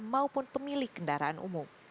maupun pemilih kendaraan umum